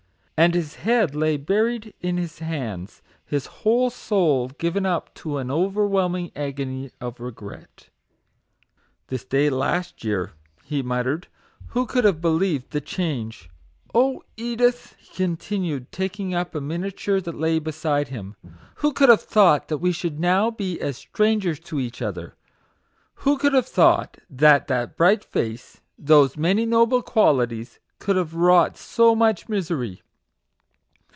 And his head lay buried in his hands, his whole soul given up to an overwhelming agony of regret. "This day last year," he muttered, "who could have believed the change ? Oh, Edith \" he continued, taking up a miniature that lay beside him, "who could have thought then that we should now be as strangers to each other? Who could have thought that that bright face, those many noble qualities, could have wrought so much misery